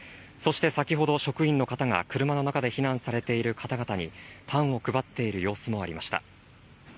そして先ほど職員の方が車の中で避難されている方々にパンを配っている様子もありました。